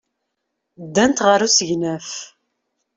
Ddant ɣer usegnaf.